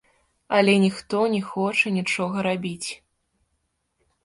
Але ніхто не хоча нічога рабіць.